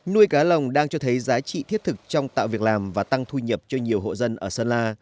nuôi cá lồng đang cho thấy giá trị thiết thực trong tạo việc làm và tăng thu nhập cho nhiều hộ dân ở sơn la